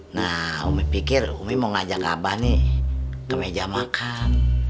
nah umi pikir umi mau ngajak abah nih ke meja makan